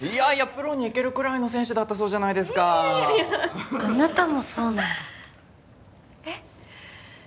プロにいけるくらいの選手だったそうじゃないですかあなたもそうなんだえっ？